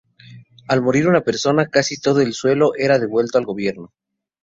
Al morir una persona, casi todo el suelo era devuelto al gobierno.